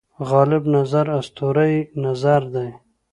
غالب نظر اسطوره یي نظر دی.